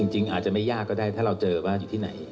จริงอาจจะไม่ยากก็ได้ถ้าเราเจอว่าอยู่ที่ไหน